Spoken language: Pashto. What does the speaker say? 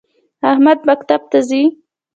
احمد مکتب ته ځی